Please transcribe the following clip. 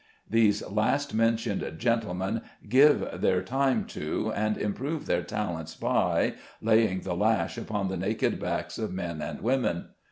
These last mentioned gentlemen give their time to, and improve their talents by, laying the lash upon the naked backs of men and women